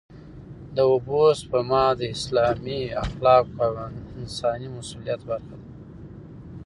د اوبو سپما د اسلامي اخلاقو او انساني مسوولیت برخه ده.